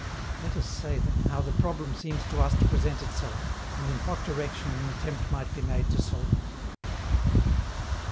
Let us say, then, how the problem seems to us to present itself, and in what direction an attempt might be made to solve it.